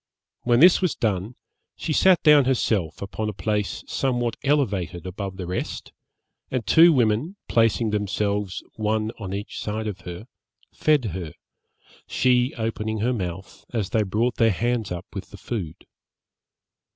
When this was done, she sat down herself upon a place somewhat elevated above the rest, and two women, placing themselves, one on each side of her, fed her, she opening her mouth as they brought their hands up with the food.